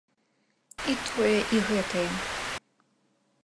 І тое, і гэтае!